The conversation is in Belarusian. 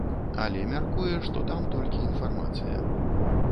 Але мяркуе, што там толькі інфармацыя.